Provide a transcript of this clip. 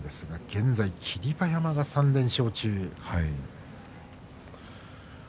現在、霧馬山は３連勝中です。